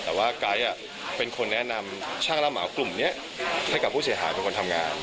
แต่ว่าไก๊เป็นคนแนะนำช่างรับเหมากลุ่มนี้ให้กับผู้เสียหายเป็นคนทำงาน